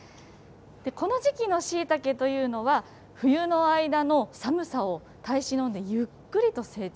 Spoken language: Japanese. この時期のしいたけというのは、冬の間の寒さを耐え忍んでゆっくりと成長。